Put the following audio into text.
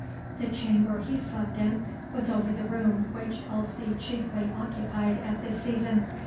The chamber he slept in was over the room which Elsie chiefly occupied at this season.